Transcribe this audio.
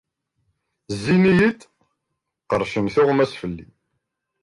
Zzin-iyi-d, qerrcen tuɣmas fell-i.